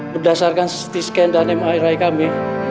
berdasarkan ct scan dan miri kami